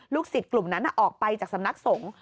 สิทธิ์กลุ่มนั้นออกไปจากสำนักสงฆ์